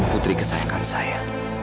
putri kesayangan saya